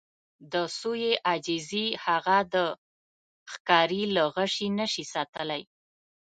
د سویې عاجزي هغه د ښکاري له غشي نه شي ساتلی.